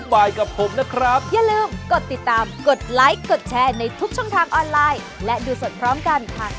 บอกให้เอ๊ะเอ๊ะเอ๊ะเอ๊ะ